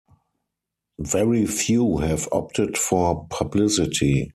Very few have opted for publicity.